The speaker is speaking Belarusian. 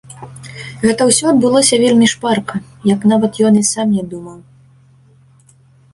Гэта ўсё адбылося вельмі шпарка, як нават ён і сам не думаў.